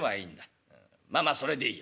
まあまあそれでいいよ」。